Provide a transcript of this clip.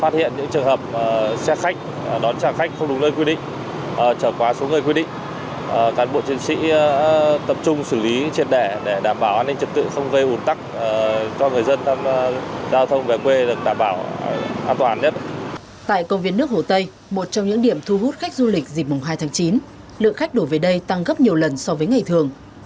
tại công viên nước hồ tây một trong những điểm thu hút khách du lịch dịp mùng hai tháng chín lượng khách đổ về đây tăng gấp nhiều lần so với ngày thường